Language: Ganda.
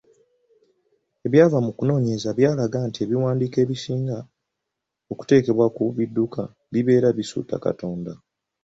Ebyava mu kunoonyereza byalaga nti ebiwandiiko ebisinga okuteekebwa ku bidduka bibeera bisuuta Katonda.